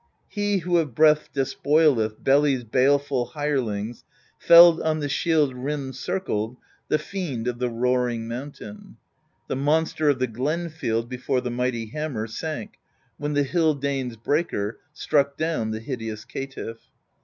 He who of breath despoileth Beli's baleful hirelings Felled on the shield rim circled The fiend of the roaring mountain; The monster of the glen field Before the mighty hammer Sank, when the Hill Danes' Breaker Struck down the hideous caitifF.